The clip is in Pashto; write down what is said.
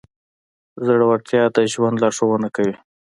زړهورتیا د ژوند لارښوونه کوي.